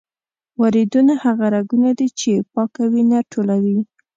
وریدونه هغه رګونه دي چې پاکه وینه ټولوي.